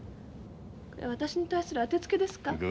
私に対するあてつけですか？